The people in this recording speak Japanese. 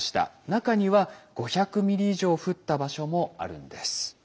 中には５００ｍｍ以上降った場所もあるんです。